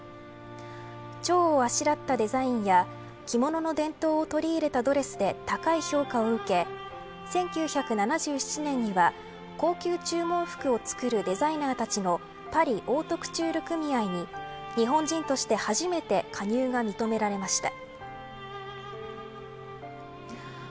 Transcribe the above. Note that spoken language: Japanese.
チョウをあしらったデザインや着物の伝統を取り入れたドレスで高い評価を受け１９７７年には高級注文服を作るデザイナーたちのパリ・オートクチュール組合に日本人として初めて加入が認められました。